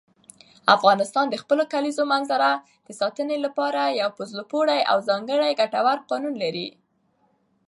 افغانستان د خپلو کلیزو منظره د ساتنې لپاره پوره او ځانګړي ګټور قوانین لري.